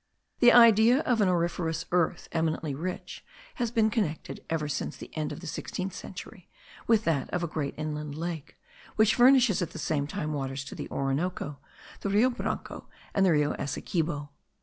The idea of an auriferous earth, eminently rich, has been connected, ever since the end of the sixteenth century, with that of a great inland lake, which furnishes at the same time waters to the Orinoco, the Rio Branco and the Rio Essequibo.